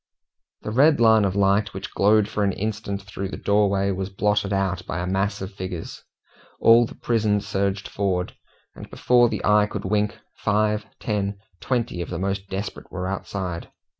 The red line of light which glowed for an instant through the doorway was blotted out by a mass of figures. All the prison surged forward, and before the eye could wink, five, ten, twenty, of the most desperate were outside.